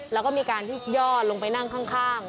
แล้วก็มีการที่ย่อลงไปนั่งข้าง